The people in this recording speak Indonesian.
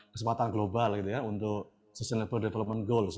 kesempatan global untuk sustainable development goals